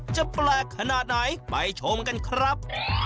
จะแปลกขนาดไหนไปชมกันครับ